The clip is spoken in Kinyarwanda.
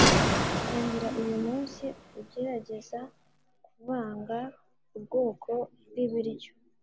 Tangira uyu munsi ugerageza kuvanga ubwoko bw'ibiryo